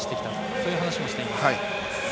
そういう話をしています。